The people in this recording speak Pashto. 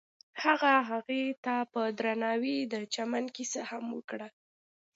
هغه هغې ته په درناوي د چمن کیسه هم وکړه.